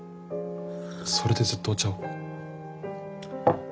それでずっとお茶を。